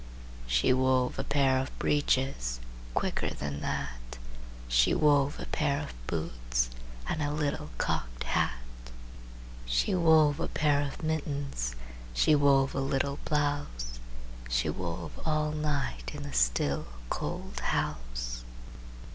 She wove a pair of breeches Quicker than that! She wove a pair of boots And a little cocked hat. She wove a pair of mittens, She wove a little blouse, She wove all night In the still, cold house.